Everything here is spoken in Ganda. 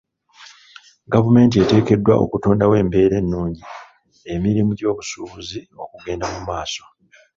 Gavumenti eteekeddwa okutondawo embera ennungi emirimu gy'obusuubuzi okugenda mu maaso.